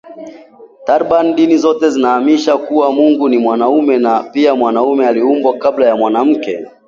Takribani dini zote zinaaminisha kuwa Mungu ni mwanamume na pia mwanamume aliumbwa kabla ya mwanamke